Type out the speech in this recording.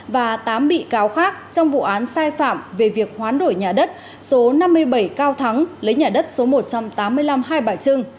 và tám bị cáo khác trong vụ án sai phạm về việc hoán đổi nhà đất số năm mươi bảy cao thắng lấy nhà đất số một trăm tám mươi năm hai bà trưng